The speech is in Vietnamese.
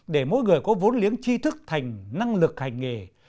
để mỗi người có vốn liếng chi thức thành năng lực hành nghề